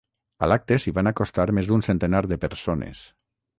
A l’acte s’hi van acostar més d’un centenar de persones.